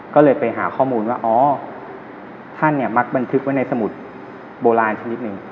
ก็เลยไปหาข้อมูลว่าอ๋อท่านเนี่ยมักบันทึกไว้ในสมุดโบราณชนิดหนึ่ง